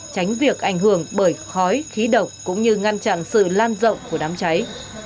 tránh việc ảnh hưởng bởi khói khí độc cũng như ngăn chặn sự lan rộng của đám cháy